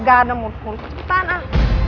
gak ada modus modus tanah